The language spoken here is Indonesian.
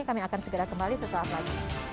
kita kembali sesuatu lagi